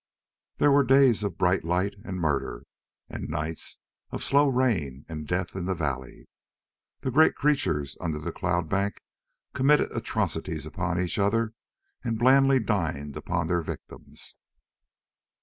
There were days of bright light and murder, and nights of slow rain and death in the valley. The great creatures under the cloud bank committed atrocities upon each other and blandly dined upon their victims.